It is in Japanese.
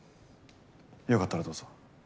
良かったらどうぞ。